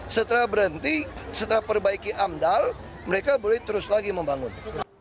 setelah berhenti setelah perbaiki amdal mereka boleh terus lagi membangun